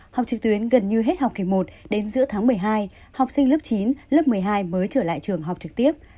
học trực tuyến gần như hết học kỳ một đến giữa tháng một mươi hai học sinh lớp chín lớp một mươi hai mới trở lại trường học trực tiếp